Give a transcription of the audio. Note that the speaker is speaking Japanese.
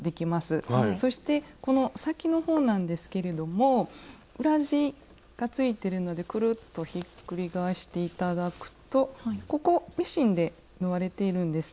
そしてこの先の方なんですけれども裏地がついてるのでくるっとひっくり返して頂くとここミシンで縫われているんですね。